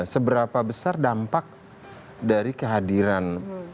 seberapa besar dampak dari kehadiran